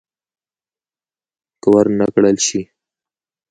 که ور نه کړل شي.